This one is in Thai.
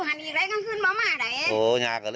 วันนี้ทางเศร้าถอยไปเอิิญ